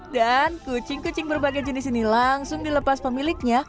dan kucing kucing berbagai jenis ini langsung dilepas pemiliknya